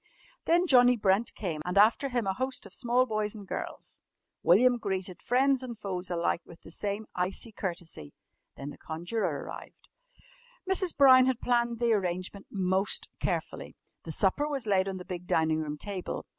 Then Johnnie Brent came and after him a host of small boys and girls. William greeted friends and foes alike with the same icy courtesy. Then the conjurer arrived. Mrs. Brown had planned the arrangement most carefully. The supper was laid on the big dining room table.